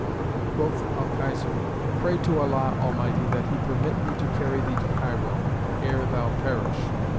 Quoth Al Khizr, 'Pray to Allah Almighty that He permit me to carry thee to Cairo, ere thou perish.'